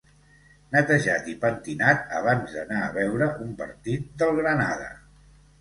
Netejat i pentinat abans d'anar a veure un partit del Granada.